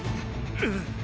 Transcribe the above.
うん。